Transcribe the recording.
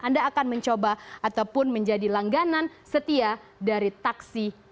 anda akan mencoba ataupun menjadi langganan setia dari taksi